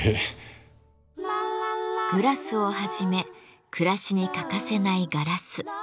グラスをはじめ暮らしに欠かせないガラス。